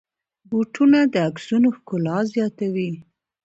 بوټونه د عکسونو ښکلا زیاتوي.